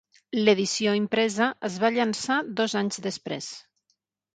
L'edició impresa es va llançar dos anys després.